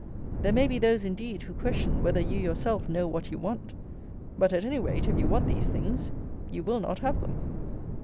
There may be those, indeed, who question whether you yourself know what you want; but, at any rate, if you want these things, you will not have them.